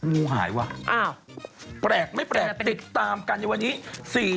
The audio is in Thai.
งูหายว่ะแปลกไม่แปลกติดตามกันในวันนี้